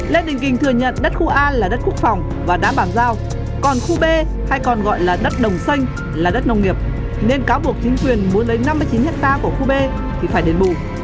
lê đình kỳnh thừa nhận đất khu a là đất quốc phòng và đá bảng giao còn khu b hay còn gọi là đất đồng xanh là đất nông nghiệp nên cáo buộc chính quyền muốn lấy năm mươi chín ha của khu b thì phải đến bù